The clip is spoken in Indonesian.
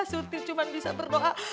surti cuma bisa berdoa